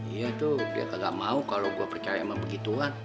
iya tuh dia kagak mau kalau gue percaya sama begituan